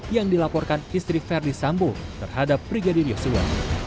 yang dilaporkan istri verdi sambo terhadap brigadir yosua